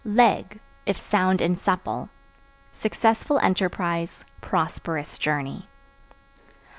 Leg (If sound and supple) successful enterprise, prosperous journey.